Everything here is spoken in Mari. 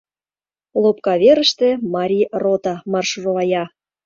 Лопка верыште Марий рота маршировая.